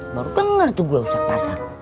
baru dengar tuh gue ustadz pasar